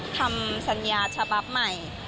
ทำสัญญาฉบับใหม่